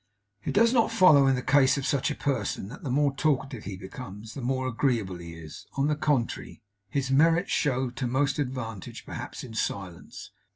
It does not follow in the case of such a person that the more talkative he becomes, the more agreeable he is; on the contrary, his merits show to most advantage, perhaps, in silence.